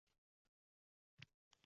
Har qanday og‘riqli muammo o‘z vaqtida